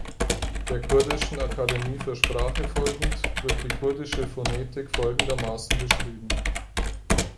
Der kurdischen Akademie für Sprache folgend wird die kurdische Phonetik folgendermaßen beschrieben.